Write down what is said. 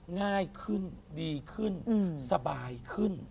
ง่ายขึ้นดีขึ้นสบายขึ้น